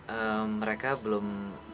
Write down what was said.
ehm mereka belum